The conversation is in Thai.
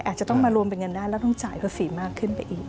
จะอาจจะต้องมารวมเป็นเงินได้แล้ว